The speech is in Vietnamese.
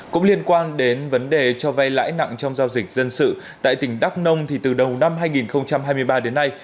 cũng liên quan đến vấn đề cho vay lãi nặng trong giao dịch dân sự tại tỉnh đắk nông từ đầu năm hai nghìn hai mươi ba đến nay